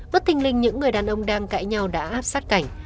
bất tình linh những người đàn ông đang cãi nhau đã áp sát cảnh